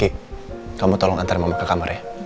eh kamu tolong antar mama ke kamar ya